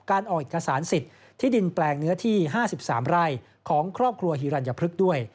ออกเอกสารสิทธิ์ที่ดินแปลงเนื้อที่๕๓ไร่ของครอบครัวฮิรัญพฤกษ์ด้วย